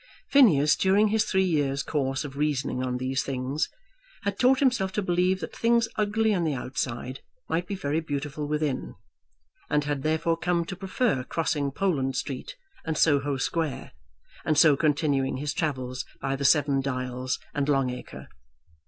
Phineas, during his three years' course of reasoning on these things, had taught himself to believe that things ugly on the outside might be very beautiful within; and had therefore come to prefer crossing Poland Street and Soho Square, and so continuing his travels by the Seven Dials and Long Acre.